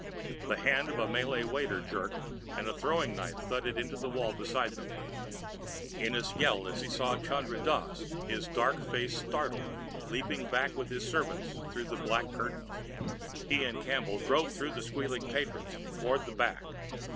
The hand of a Malay waiter jerked and a thrown knife thudded into the wall beside them. Ennis yelled as he saw Chandra Dass, his dark face startled, leaping back with his servants through the black curtains. He and Campbell drove through the squealing patrons toward the back.